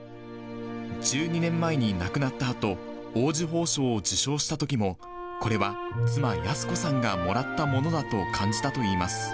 １２年前に亡くなったあと、黄綬褒章を受章したときも、これは、妻、靖子さんがもらったものだと感じたといいます。